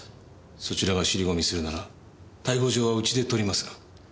そちらが尻込みするなら逮捕状はうちで取りますが？